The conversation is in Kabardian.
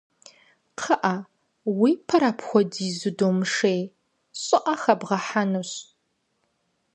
Кхъыӏэ, уи пэр апхуэдизу думышей, щӏыӏэ хэбгъэхьэнущ.